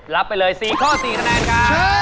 รับไปเลย๔ข้อ๔คะแนนค่ะ